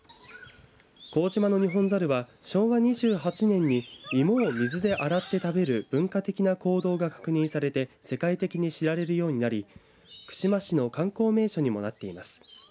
幸島のニホンザルは昭和２８年に芋を水で洗って食べる文化的な行動が確認されて世界的に知られるようになり串間市の観光名所にもなっています。